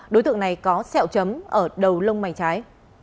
đối tượng này có sẹo chấm ở đầu lông mày trái